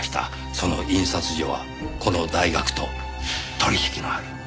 その印刷所はこの大学と取引のある印刷所でした。